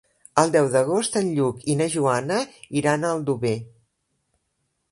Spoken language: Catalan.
El deu d'agost en Lluc i na Joana iran a Aldover.